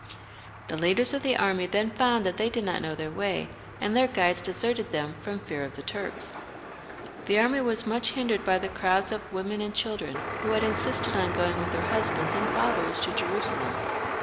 The leaders of the army then found that they did not know their way, and their guides deserted them from fear of the Turks. The army was much hindered by the crowds of women and children who had insisted on going with their husbands and fathers to Jerusalem.